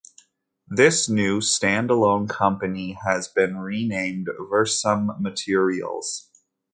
This new stand alone company has been renamed Versum Materials.